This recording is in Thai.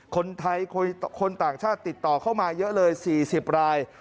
คนไทยคนต่างชาติติดต่อเข้ามาเยอะเลย๔๐ราย